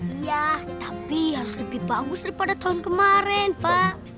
iya tapi harus lebih bagus daripada tahun kemarin pak